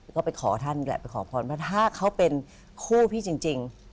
ก็ไปขอท่านแหละไปขอพรว่าถ้าเขาเป็นคู่พี่จริง